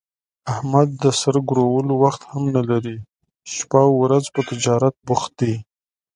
احمد د سر ګرولو وخت هم نه لري، شپه اورځ په تجارت بوخت دی.